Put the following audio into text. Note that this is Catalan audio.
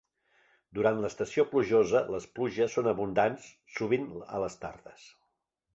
Durant l'estació plujosa, les pluges són abundants, sovint a les tardes.